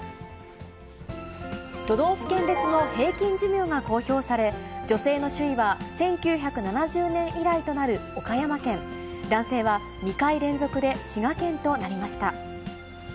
都道府県別の平均寿命が公表され、女性の首位は、１９７０年以来となる岡山県、男性は２回連続で滋賀県となりました。